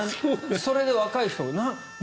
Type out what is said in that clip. それで若い人、何？